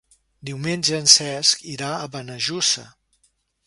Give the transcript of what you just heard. Diumenge en Cesc irà a Benejússer.